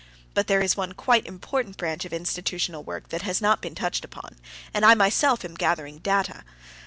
But there is one quite important branch of institutional work that has not been touched upon, and I myself am gathering data.